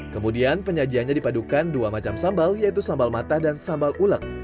kemudian penyajiannya dipadukan dua macam sambal yaitu sambal mata dan sambal ulek